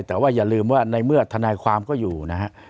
แต่ว่าอย่าลืมว่าในเมื่อทนายความก็อยู่นะฮะ